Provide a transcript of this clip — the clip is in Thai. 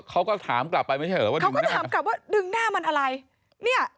เค้าก็ถามกลับไปไม่เฉยเหรอว่าดึงหน้าแหละเนี่ย